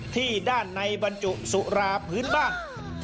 ที่ด้านในบรรจุสุราพื้นบ้าน